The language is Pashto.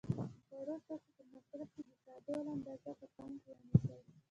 د خوړو د توکو په مصرف کې د تعادل اندازه په پام کې ونیسئ.